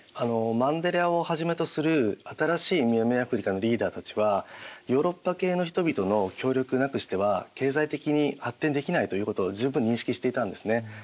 マンデラをはじめとする新しい南アフリカのリーダーたちはヨーロッパ系の人々の協力なくしては経済的に発展できないということを十分認識していたんですね。